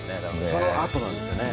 そのあとなんですよね。